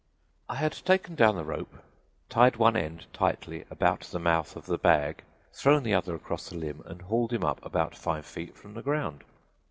"I had taken down the rope, tied one end tightly about the mouth of the bag, thrown the other across the limb and hauled him up about five feet from the ground.